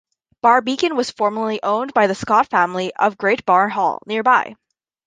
Barr Beacon was formerly owned by the Scott family of Great Barr Hall, nearby.